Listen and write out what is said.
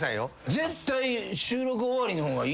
絶対。